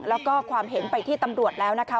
แล้วก็ความเห็นไปที่ตำรวจแล้วนะคะ